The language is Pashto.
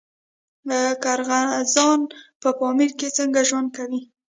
قرغیزان په پامیر کې څنګه ژوند کوي؟